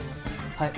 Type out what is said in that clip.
はい。